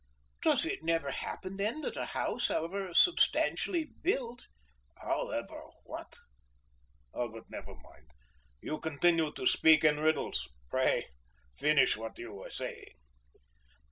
"Does it never happen, then, that a house, however substantially built " "However what! But never mind; you continue to speak in riddles. Pray, finish what you were saying."